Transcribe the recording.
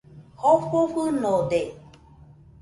Jofo fɨnode